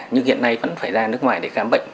nhưng hiện nay vẫn phải ra nước ngoài để khám bệnh